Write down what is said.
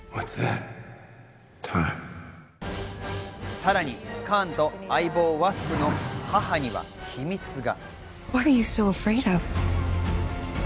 さらにカーンの相棒・ワスプの母には秘密が。